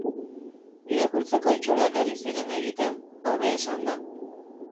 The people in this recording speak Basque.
Irakurtzeko itxurak ari ziren egiten, hobe esanda.